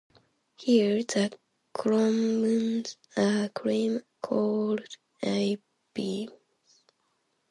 Here, the columns are cream colored I-beams.